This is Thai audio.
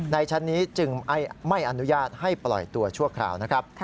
ในชั้นนี้จึงไม่อนุญาตให้ปล่อยตัวชั่วคราวนะครับ